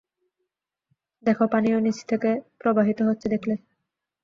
দেখো পানিও নিচ থেকে প্রবাহিত হচ্ছে দেখলে?